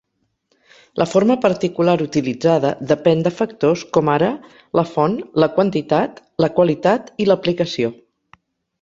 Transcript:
La forma particular utilitzada depèn de factors com ara la font, la quantitat, la qualitat i l'aplicació.